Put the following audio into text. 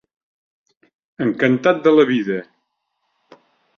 Encantat de la vida.